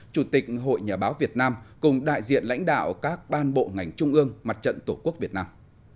chủ tịch hội nhà báo việt nam cùng đại diện lãnh đạo các ban bộ ngành trung ương mặt trận tổ quốc việt nam